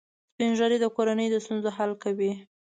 سپین ږیری د کورنۍ د ستونزو حل کوي